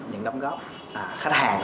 những đóng góp khách hàng